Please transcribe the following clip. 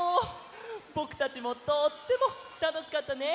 ぼくたちもとってもたのしかったね。